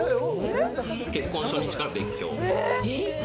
結婚初日から別居。